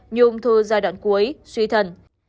nhuông thư giai đoạn cuối suy thần